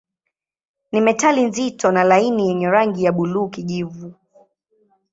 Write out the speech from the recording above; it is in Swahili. Ni metali nzito na laini yenye rangi ya buluu-kijivu.